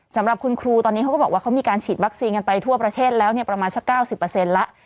สำหรับคุณครูตอนนี้เขาก็บอกว่าเขามีการฉีดวัคซีนกันไปทั่วประเทศแล้วประมาณสัก๙๐แล้ว